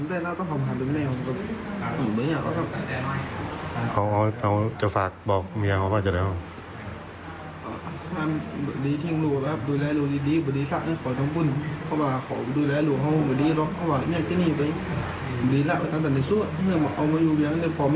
อาจจะฝากบอกเมียเขาว่าจะได้ว่ะ